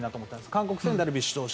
韓国戦、ダルビッシュ投手。